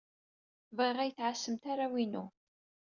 Bɣiɣ ad iyi-tɛassemt arraw-inu.